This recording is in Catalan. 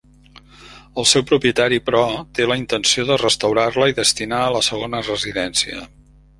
El seu propietari, però, té la intenció de restaurar-la i destinat a la segona residència.